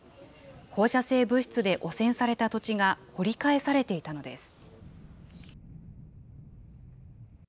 放射性物質で汚染された土地が、掘り返されていたのです。